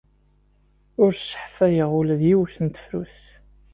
Ur sseḥfayeɣ ula d yiwet n tefrut.